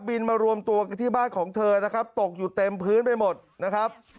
มารวมตัวกันที่บ้านของเธอนะครับตกอยู่เต็มพื้นไปหมดนะครับ